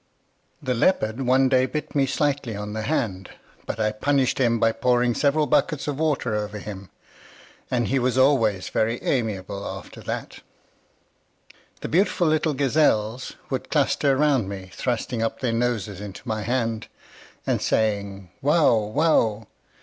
The leopard, one day, bit me slightly on the hand; but I punished him by pouring several buckets of water over him, and he was always very amiable after that. The beautiful little gazelles would cluster around me, thrusting up their noses into my hand, and saying "Wow! wow!"